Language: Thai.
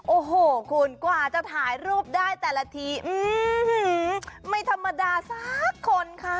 โอ้โหคุณกว่าจะถ่ายรูปได้แต่ละทีไม่ธรรมดาสักคนค่ะ